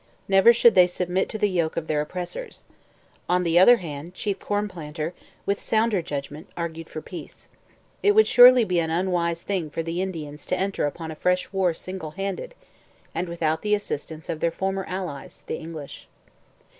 Never should they submit to the yoke of their oppressors. On the other hand, Chief Cornplanter, with sounder judgment, argued for peace. It would surely be an unwise thing for the Indians to enter upon a fresh war single handed, and without the assistance of their former allies, the English.